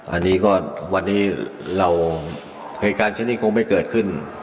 อันนี้ก็วันนี้เราเหตุการณ์เช่นนี้คงไม่เกิดขึ้น